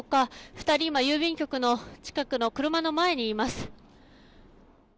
２人、今郵便局の近くの車の前にいます。